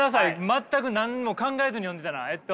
全く何にも考えずに読んでたなえっと。